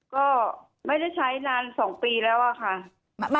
ก็ไม่ได้ใช้นาน๒ปีแล้วอะค่ะ